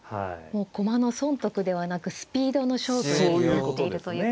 もう駒の損得ではなくスピードの勝負になっているということですね。